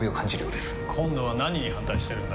今度は何に反対してるんだ？